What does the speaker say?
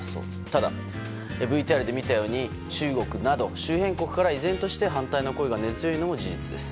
ただ、ＶＴＲで見たように中国など周辺国から依然として反対の声が根強いのも事実です。